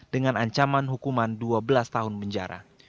dengan ancaman hukuman dua belas tahun penjara